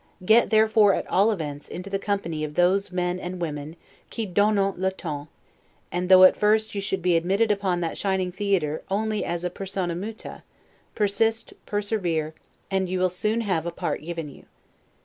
Get, therefore, at all events, into the company of those men and women 'qui donnent le ton'; and though at first you should be admitted upon that shining theatre only as a 'persona muta', persist, persevere, and you will soon have a part given you.